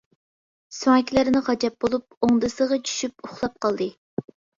سۆڭەكلەرنى غاجاپ بولۇپ، ئوڭدىسىغا چۈشۈپ ئۇخلاپ قالدى.